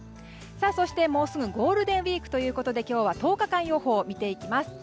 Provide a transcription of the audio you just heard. そして、もうすぐゴールデンウィークということで今日は１０日間予報を見ていきます。